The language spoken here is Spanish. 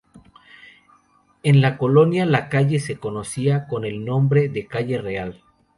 En la Colonia la calle se conocía con el nombre de "calle Real".